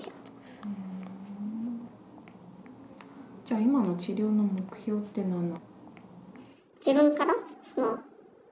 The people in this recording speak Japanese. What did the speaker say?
じゃあ今の治療の目標って何だろう？